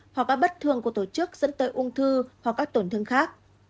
hoặc các bất thường của tổ chức dẫn tới ung thư hoặc các tổn thương khác